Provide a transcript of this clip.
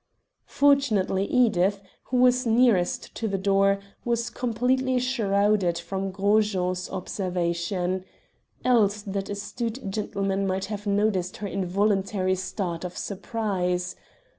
Fortunately Edith, who was nearest to the door, was completely shrouded from Gros Jean's observation. Else that astute gentleman might have noticed her involuntary start of surprise.